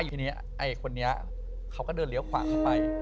ทีนี้ไอ้คนนี้เขาก็เดินเลี้ยวขวาเข้าไป